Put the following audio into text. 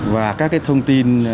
và các thông tin